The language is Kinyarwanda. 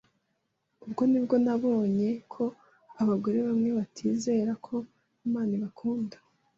Ubwo ni bwo nabonye ko abagore bamwe batizera ko Imana ibakunda